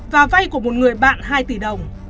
và vay của một người bạn hai tỷ đồng